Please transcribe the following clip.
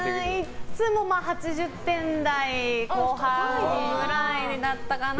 いつも、８０点台の後半ぐらいだったかなと。